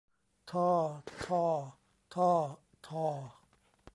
ทอ ฑอ ฒอ ธอ